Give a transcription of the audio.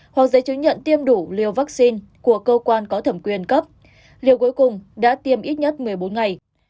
hoặc giấy chứng nhận tiêm đủ liều vaccine của cơ quan có thẩm quyền cấp liệu cuối cùng đã tiêm ít nhất một mươi bốn ngày